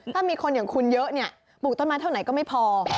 ถ้ามีคนอย่างคุณเยอะเนี่ยปลูกต้นไม้เท่าไหนก็ไม่พอ